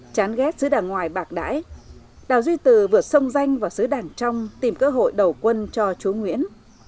chán ghét xứ đảng ngoài bạc đãi đào duy từ vượt sông danh vào xứ đảng trong tìm cơ hội đầu quân cho chú nguyễn